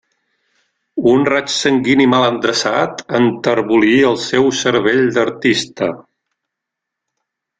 Un raig sanguini mal endreçat enterbolí el seu cervell d'artista.